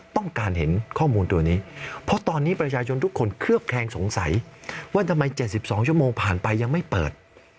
ต้องการเห็นข้อมูลตัวนี้เพราะตอนนี้ประชาชนทุกคนเคลือบแคลงสงสัยว่าทำไม๗๒ชั่วโมงผ่านไปยังไม่เปิด